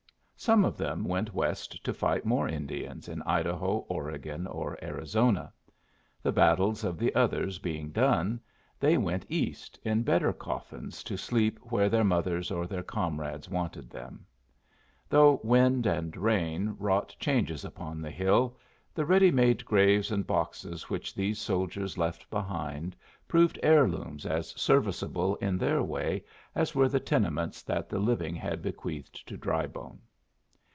Some of them went West to fight more Indians in Idaho, Oregon, or Arizona. The battles of the others being done, they went East in better coffins to sleep where their mothers or their comrades wanted them. Though wind and rain wrought changes upon the hill, the ready made graves and boxes which these soldiers left behind proved heirlooms as serviceable in their way as were the tenements that the living had bequeathed to Drybone.